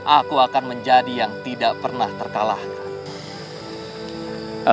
aku akan menjadi yang tidak pernah terkalahkan